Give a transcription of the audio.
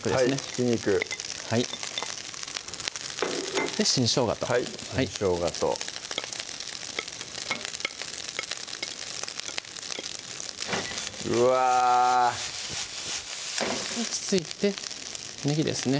ひき肉新しょうがと新しょうがとうわ続いてねぎですね